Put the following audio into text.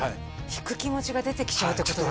引く気持ちが出てきちゃうってことですか？